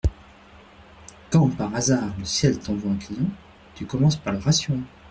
Quand, par hasard, le ciel t’envoie un client, tu commences par le rassurer…